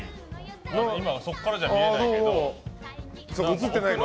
今、そこからじゃ見えないけど。